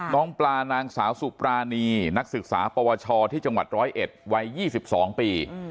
น้องปลานางสาวสุปรานีนักศึกษาปวชที่จังหวัด๑๐๑วัย๒๒ปี